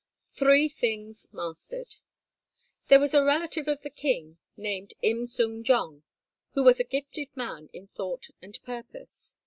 L THREE THINGS MASTERED There was a relative of the king, named Im Sung jong, who was a gifted man in thought and purpose.